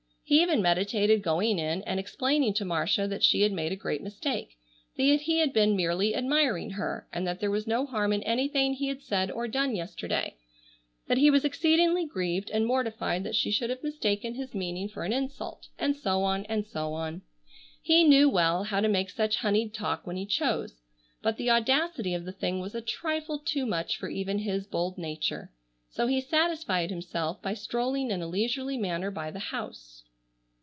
He even meditated going in and explaining to Marcia that she had made a great mistake, that he had been merely admiring her, and that there was no harm in anything he had said or done yesterday, that he was exceedingly grieved and mortified that she should have mistaken his meaning for an insult, and so on and so on. He knew well how to make such honeyed talk when he chose, but the audacity of the thing was a trifle too much for even his bold nature, so he satisfied himself by strolling in a leisurely manner by the house.